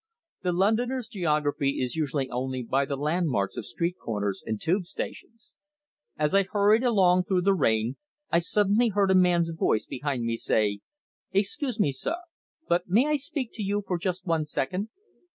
The Londoner's geography is usually only by the landmarks of street corners and "tube" stations. As I hurried along through the rain, I suddenly heard a man's voice behind me say: "Excuse me, sir! But may I speak to you for just one second?"